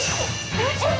大丈夫？